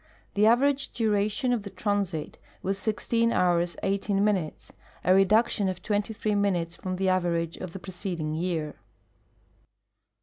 The average duration of the transit was 16 hours 18 minutes, a reduction of 23 minutes from the average of the preceding year.